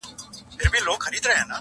دا له سترګو فریاد ویښ غوږونه اوري,